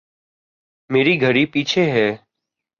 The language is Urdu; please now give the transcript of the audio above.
میری گھڑی پیچھے ہے